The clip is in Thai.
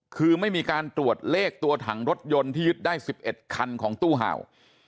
คือไม่มีการตรวจเลขตัวถังรถยนต์ที่ยึดได้๑๑คันของตู้เห่า